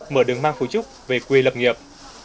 mở đường mang phủ trúc về quê lập nghiệp